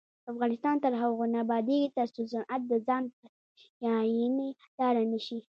افغانستان تر هغو نه ابادیږي، ترڅو صنعت د ځان بسیاینې لاره نشي.